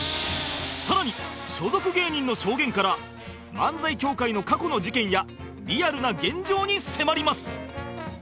更に所属芸人の証言から漫才協会の過去の事件やリアルな現状に迫ります